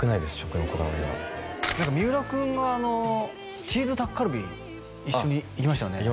食のこだわりは三浦君がチーズタッカルビ一緒に行きましたよね？